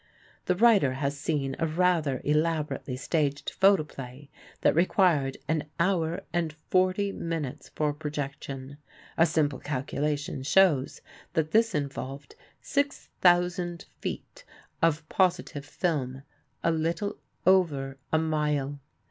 The writer has seen a rather elaborately staged photo play that required an hour and forty minutes for projection; a simple calculation shows that this involved 6,000 feet of positive film a little over a mile.